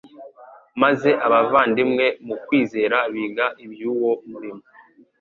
maze abavandimwe mu kwizera biga iby'uwo murimo